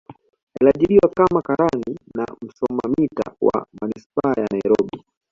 aliajiriwa kama karani na msoma mita wa manispaa ya nairobi